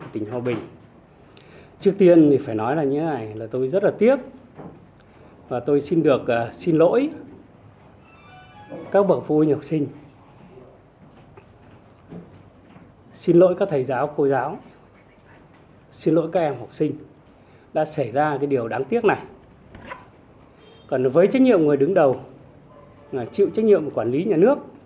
trách nhiệm người đứng đầu chịu trách nhiệm của quản lý nhà nước